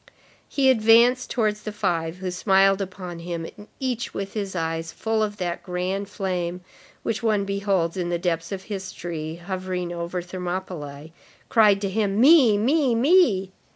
He advanced towards the five, who smiled upon him, and each, with his eyes full of that grand flame which one beholds in the depths of history hovering over Thermopylæ, cried to him: "Me! me! me!"